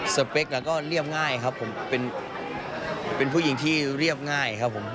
เป๊กก็เรียบง่ายครับผมเป็นผู้หญิงที่เรียบง่ายครับผม